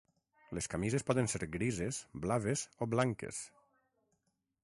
Les camises poden ser grises, blaves o blanques.